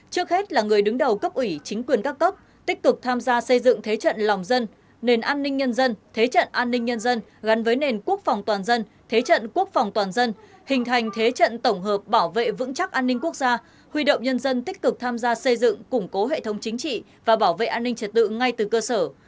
trước hết là người đứng đầu cấp ủy chính quyền các cấp tích cực tham gia xây dựng thế trận lòng dân nền an ninh nhân dân thế trận an ninh nhân dân gắn với nền quốc phòng toàn dân thế trận quốc phòng toàn dân hình thành thế trận tổng hợp bảo vệ vững chắc an ninh quốc gia huy động nhân dân tích cực tham gia xây dựng củng cố hệ thống chính trị và bảo vệ an ninh trật tự ngay từ cơ sở